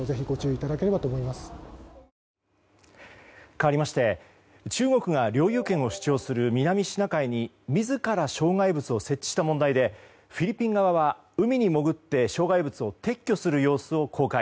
かわりまして中国が領有権を主張する南シナ海に自ら障害物を設置した問題でフィリピン側は海に潜って障害物を撤去する様子を公開。